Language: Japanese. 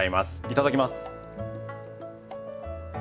いただきます！